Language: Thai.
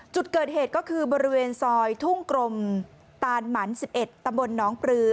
จุดเกิดเหตุก็คือบริเวณซอยทุ่งกรมตานหมัน๑๑ตำบลน้องปลือ